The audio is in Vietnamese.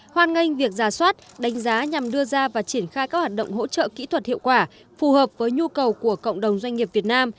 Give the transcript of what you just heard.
hoan nghênh việc giả soát đánh giá nhằm đưa ra và triển khai các hoạt động hỗ trợ kỹ thuật hiệu quả phù hợp với nhu cầu của cộng đồng doanh nghiệp việt nam